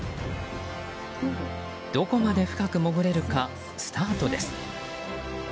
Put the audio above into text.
どこまで深く潜れるかスタートです。